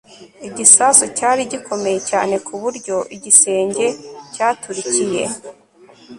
igisasu cyari gikomeye cyane ku buryo igisenge cyaturikiye